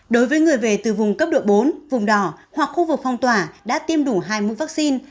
đối với người về từ vùng cấp độ bốn vùng đỏ hoặc khu vực phong tỏa đã tiêm đủ hai mũi vaccine